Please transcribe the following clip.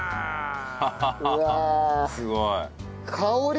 すごい。